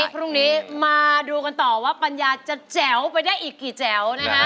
พรุ่งนี้มาดูกันต่อว่าปัญญาจะแจ๋วไปได้อีกกี่แจ๋วนะฮะ